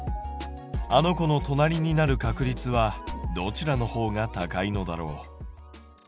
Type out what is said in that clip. あの子の隣になる確率はどちらの方が高いのだろう？